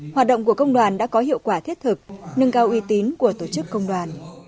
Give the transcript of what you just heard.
hoạt động của công đoàn đã có hiệu quả thiết thực nâng cao uy tín của tổ chức công đoàn